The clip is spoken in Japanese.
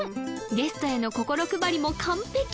ゲストへの心配りも完璧！